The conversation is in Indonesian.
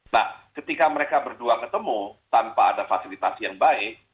nah ketika mereka berdua ketemu tanpa ada fasilitasi yang baik